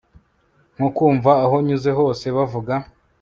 nko kumva aho nyuze hose bavuga